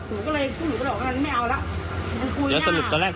หนูก็เลยสรุปเงี้ยล่ะหนูเป็นอะไรรัก